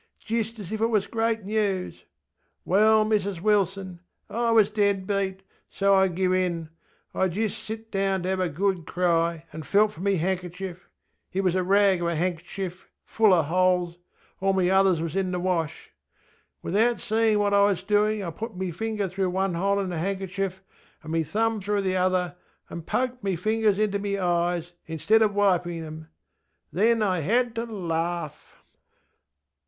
ŌĆÖ Jist as if it was great news. Well, Mrs Wilson, I was dead beat, anŌĆÖ I givŌĆÖ in. I jist sat down to have a good cry, and felt for my hanŌĆÖkerchiefŌĆöit was a rag of a hanŌĆÖkerchief, full of holes (all me others was in the wash). Without seeinŌĆÖ what I was doinŌĆÖ I put me finger through one hole in the hanŌĆÖkerchief anŌĆÖ me thumb through the other, and poked me fingers into me eyes, instead of wipinŌĆÖ them. Then I had to laugh.